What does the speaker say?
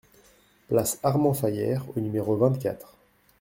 Place Armand-Fallières au numéro vingt-quatre